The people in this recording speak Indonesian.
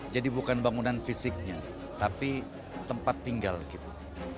jadi bukan bangunan fisiknya tapi tempat tinggal kita